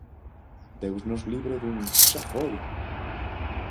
Deus nos libre dun "xa foi!".